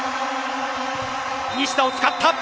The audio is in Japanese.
西田を使った。